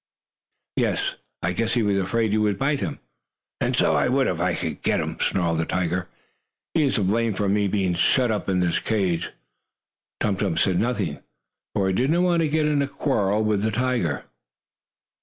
"Yes, I guess he was afraid you would bite him." "And so I would, if I could get him," snarled the tiger. "He is to blame for me being shut up in this cage." Tum Tum said nothing, for he did not want to get in a quarrel with the tiger.